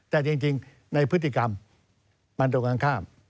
แต่จริงในพฤติกรรมมันตรงกันข้าม